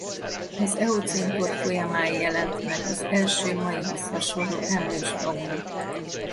Az eocén kor folyamán jelent meg az első maihoz hasonló emlős fauna.